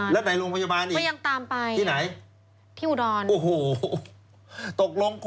แล้วในโรงพยาบาลอีก